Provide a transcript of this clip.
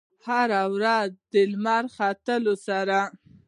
هره ورځ د لمر ختو سره